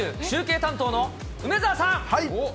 中継担当の梅澤さん。